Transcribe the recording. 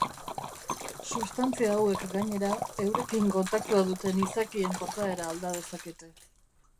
Substantzia hauek, gainera, eurekin kontaktua duten izakien portaera alda dezakete.